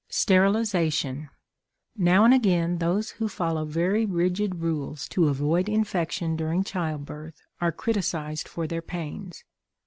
STERILIZATION. Now and again, those who follow very rigid rules to avoid infection during childbirth are criticized for their pains.